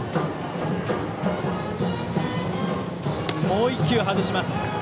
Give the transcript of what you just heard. もう１球、外します。